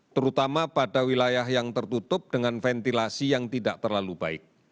terutama pada wilayah yang tertutup dengan ventilasi yang tidak terlalu baik